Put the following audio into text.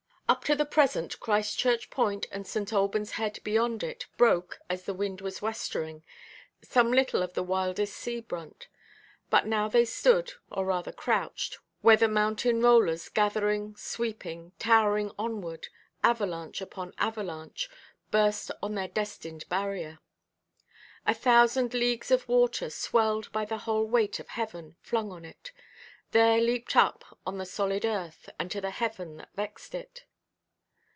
Up to the present, Christchurch Point, and St. Albanʼs Head beyond it, broke (as the wind was westering) some little of the wildest sea–brunt. But now they stood, or rather crouched, where the mountain rollers gathering, sweeping, towering onward, avalanche upon avalanche, burst on their destined barrier. A thousand leagues of water, swelled by the whole weight of heaven flung on it, there leaped up on the solid earth, and to the heaven that vexed it.